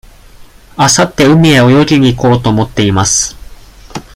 あさって海へ泳ぎに行こうと思っています。